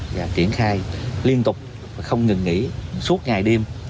và triển khai liên tục không ngừng nghỉ suốt ngày đêm